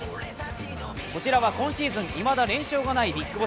こちらは今シーズンいまだ連勝がないＢＩＧＢＯＳＳ。